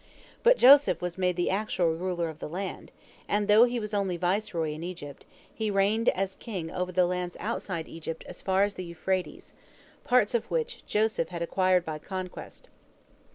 But Joseph was made the actual ruler of the land, and though he was only viceroy in Egypt, he reigned as king over the lands outside of Egypt as far as the Euphrates, parts of which Joseph had acquired by conquest.